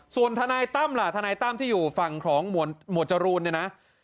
ส่วนทนายตั้มล่ะทนายตั้มที่อยู่ฝั่งของหมวดจรูนเนี่ยนะ